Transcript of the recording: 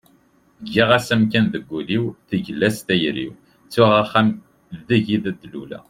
giɣ-as amkan deg ul-iw, tegla-yi s tayri-w, ttuɣ axxam deg i d-luleɣ